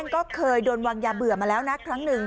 ก็เคยโดนวางยาเบื่อมาแล้วนะครั้งหนึ่ง